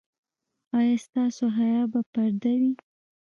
ایا ستاسو حیا به پرده وي؟